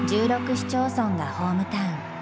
市町村がホームタウン。